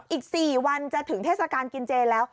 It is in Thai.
อีก๔วันจะถึงเทศกาลกินเจแล้ว